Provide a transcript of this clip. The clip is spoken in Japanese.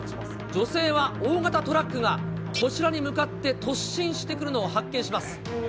女性は大型トラックがこちらに向かって突進してくるのを発見します。